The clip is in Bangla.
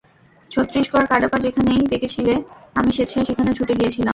ছত্রিশগড়, কাডাপা যেখানেই ডেকেছিলে আমি স্বেচ্ছায় সেখানে ছুটে গিয়েছিলাম।